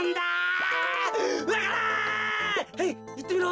はいいってみろ。